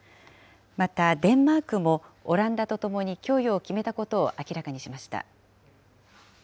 またデンマークも、オランダと共に供与を決めたことを明らかにしました。